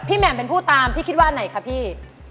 แหม่มเป็นผู้ตามพี่คิดว่าไหนคะพี่